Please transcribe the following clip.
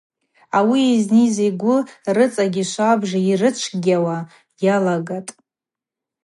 Ауи йызныйыз йгвы рыцӏагьи швабыж йарычвгьауа йалагатӏ.